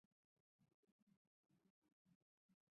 在玻璃制造和冶金也会加入少量的氯化锶。